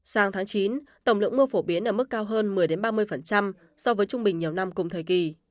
sang tháng chín tổng lượng mưa phổ biến ở mức cao hơn một mươi ba mươi so với trung bình nhiều năm cùng thời kỳ